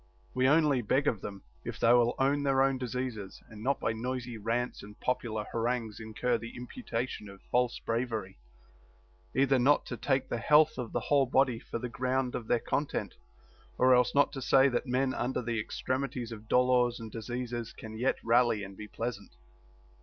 We only beg of them, if they will own their own diseases and not by noisy rants and popular harangues incur the imputation of false bravery, either not to take the health of the whole body for the ground of their content, or else not to say that men under the extremities of dolors and diseases can yet rally and be pleasant.